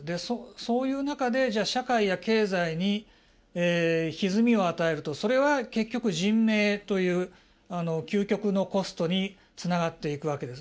そういう中で社会や経済にひずみを与えるとそれは結局人命という究極のコストにつながっていくわけです。